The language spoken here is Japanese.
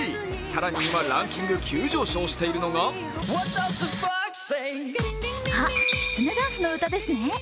更に今、ランキング急上昇しているのがあ、きつねダンスの歌ですね！